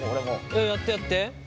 えっやってやって。